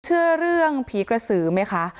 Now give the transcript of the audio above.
เชื่อเรื่องผีกระสือไหมคะ